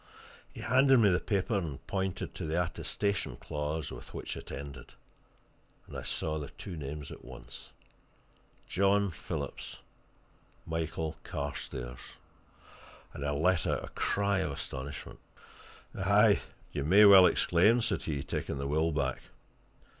He handed me the paper and pointed to the attestation clause with which it ended. And I saw the two names at once John Phillips, Michael Carstairs and I let out a cry of astonishment. "Aye, you may well exclaim!" said he, taking the will back.